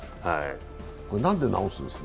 何で治すんですか？